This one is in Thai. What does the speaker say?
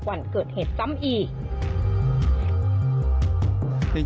วันเกิดเหตุซ้ำอีก